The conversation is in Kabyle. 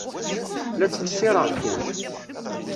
La ttqeṣṣiṛeɣ kan.